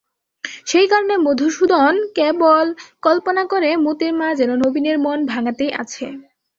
সেই কারণে মধুসূদন কেবল কল্পনা করে মোতির মা যেন নবীনের মন ভাঙাতেই আছে।